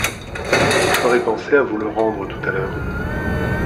Vous me ferez penser à vous le rendre tout à l’heure.